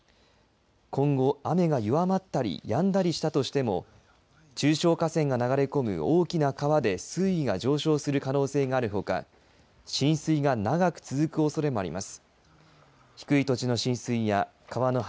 今後、雨が弱まったりやんだりしたとしても中小河川が流れ込む大きな川で水位が上昇する可能性があるほか浸水が長く続くおそれもあります。